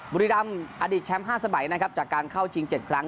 บุรีรำอดีตแชมป์๕สมัยนะครับจากการเข้าชิง๗ครั้ง